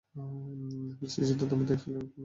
নাফীস-ঈশিতা দম্পতির এক ছেলে ও এক মেয়ে আছে।